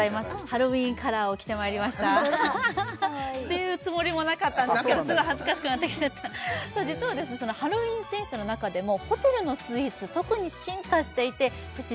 ハロウィンカラーを着てまいりましたというつもりもなかったんだけどすごい恥ずかしくなってきちゃった実はそのハロウィンスイーツの中でもホテルのスイーツ特に進化していてプチ